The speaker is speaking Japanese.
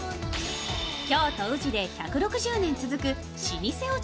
京都・宇治で１６０年続く老舗お茶